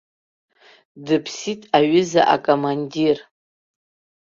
Дыԥсит, аҩыза акомандир!